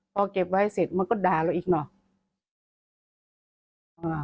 พอเก็บไว้เสร็จมันก็ด่าเราอีกเนอะ